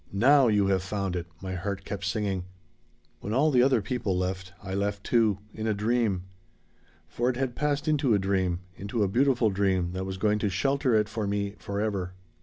Now you have found it!' my heart kept singing. "When all the other people left I left too in a dream. For it had passed into a dream into a beautiful dream that was going to shelter it for me forever.